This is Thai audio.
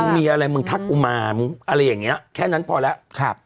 มีอะไรมึงทักกุมารมึงอะไรอย่างนี้แค่นั้นพอแล้ว